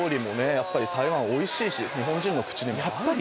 やっぱり台湾おいしいし日本人の口にも合う気がする